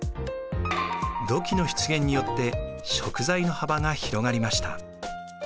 土器の出現によって食材の幅が広がりました。